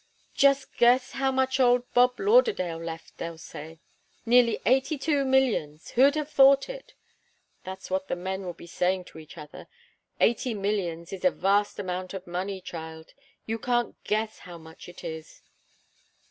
'Just guess how much old Bob Lauderdale left,' they'll say. 'Nearly eighty two millions! Who'd have thought it!' That's what the men will be saying to each other. Eighty millions is a vast amount of money, child. You can't guess how much it is."